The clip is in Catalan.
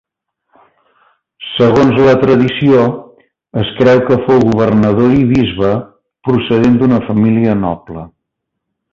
Segons la tradició, es creu que fou governador i bisbe, procedent d'una família noble.